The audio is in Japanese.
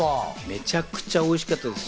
めちゃくちゃおいしかったです。